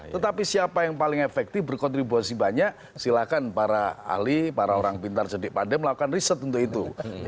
tetapi siapa yang paling efektif berkontribusi banyak silakan para ahli para orang pintar cedik pade melakukan riset untuk itu